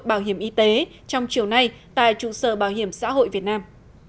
bảo hiểm y tế trong chiều nay tại trụ sở bảo hiểm xã hội việt nam